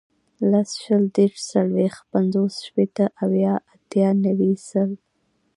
لس, شل, دېرس, څلوېښت, پنځوس, شپېته, اویا, اتیا, نوي, سل